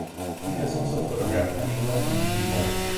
He has also photographed many well-known people.